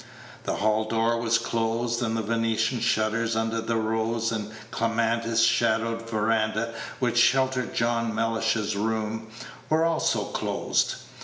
The hall door was closed, and the Venetian shutters, under the rose and clematis shadowed veranda which sheltered John Mellish's room, were also closed.